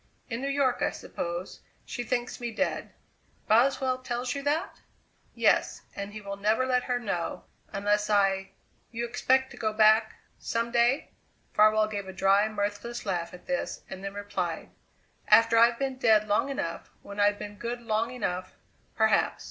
"In New York, I suppose. She thinks me dead." "Boswell tells you that?" "Yes. And he will never let her know. Unless I " "You expect to go back some day?" Farwell gave a dry, mirthless laugh at this, and then replied: "After I've been dead long enough, when I've been good long enough, perhaps.